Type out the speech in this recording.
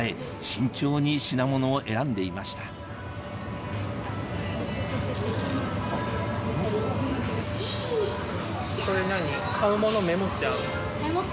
慎重に品物を選んでいましたそれ何？